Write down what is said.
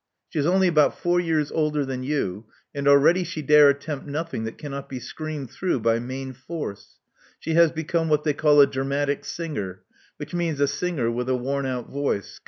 She is only about four years older than you; and already she dare attempt nothing that cannot be screamed through by main force. She has become what they call a dramatic singer, which means a singer with a worn out voice.